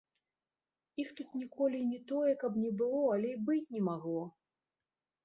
Іх тут ніколі не тое, каб не было, але і быць не магло!